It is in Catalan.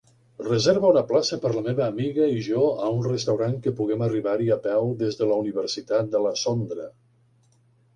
Reserva una plaça per la meva amiga i jo a un restaurant que puguem arribar-hi a peu des de la universitat de la Sondra.